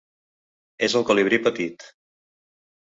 És el colibrí petit.